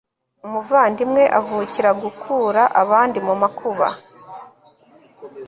umuvandimwe avukira guku ra abandi mu makuba